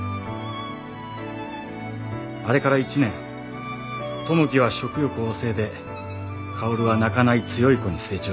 「あれから一年友樹は食欲旺盛で薫は泣かない強い子に成長しています」